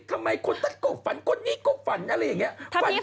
ทำไมคนนั้นก็ฝันคนนี้ก็ฝันอะไรอย่างนี้